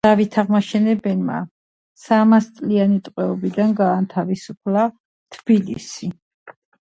ადამიანის უფლებათა დეკლარაციის პატივისცემა მოითხოვს კანონების ეროვნულ და საერთაშორისო დონეზე შემოღებას.